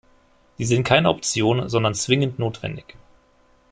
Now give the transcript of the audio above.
Sie sind keine Option, sondern zwingend notwendig.